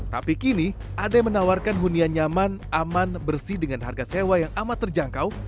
tapi kini ada yang menawarkan hunian nyaman aman bersih dengan harga sewa yang amat terjangkau